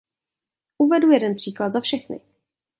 Uvedu jeden příklad za všechny.